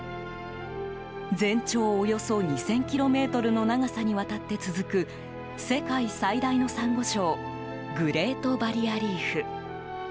全長およそ２０００ｋｍの長さにわたって続く世界最大のサンゴ礁グレートバリアリーフ。